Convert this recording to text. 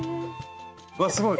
わっすごい！